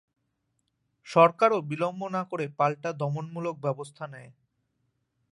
সরকারও বিলম্ব না করে পাল্টা দমনমূলক ব্যবস্থা নেয়।